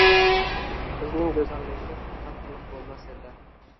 Qizning go’zalligiga toqat qilib bo’lmas edi.